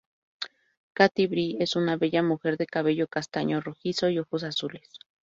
Catti-Brie es una bella mujer de cabello castaño rojizo y ojos azules.